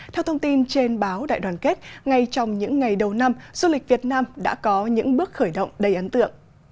theo thông tin trên báo đại đoàn kết ngay trong những ngày đầu năm du lịch việt nam đã có những bước khởi động đầy ấn tượng